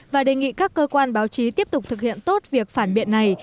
và đề nghị các cơ quan báo chí tiếp tục thực hiện tốt việc phản biện này